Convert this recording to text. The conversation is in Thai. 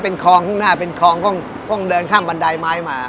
เป็นคองผึ้งหน้าคุณคงเดินข้ามบันไดไม้มา